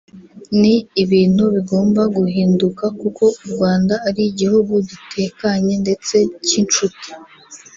ni ibintu bigomba guhinduka kuko u Rwanda ari igihugu gitekanye ndetse cy’inshuti